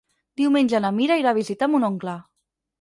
Diumenge na Mira irà a visitar mon oncle.